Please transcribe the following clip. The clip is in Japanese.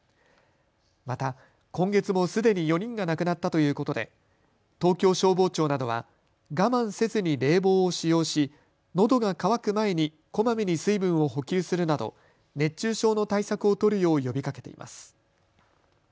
また、今月もすでに４人が亡くなったということで東京消防庁などは我慢せずに冷房を使用し、のどが渇く前にこまめに水分を補給するなど熱中症の対策を取るよう呼びかけています。